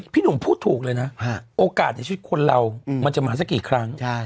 พี่หนุ่มพูดถูกเลยนะโอกาสในชีวิตคนเรามันจะมาสักกี่ครั้ง